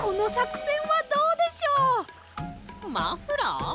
マフラー？